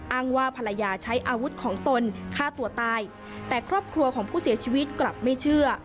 ว่าภรรยาใช้อาวุธของตนฆ่าตัวตายแต่ครอบครัวของผู้เสียชีวิตกลับไม่เชื่อ